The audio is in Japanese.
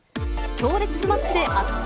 強烈スマッシュで圧倒。